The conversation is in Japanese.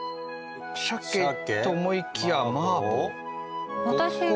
鮭と思いきや麻婆五穀米？